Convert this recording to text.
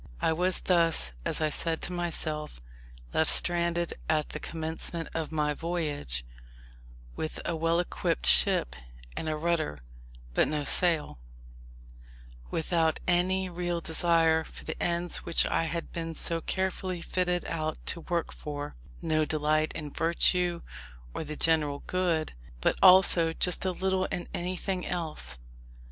I was thus, as I said to myself, left stranded at the commencement of my voyage, with a well equipped ship and a rudder, but no sail; without any real desire for the ends which I had been so carefully fitted out to work for: no delight in virtue, or the general good, but also just as little in anything else.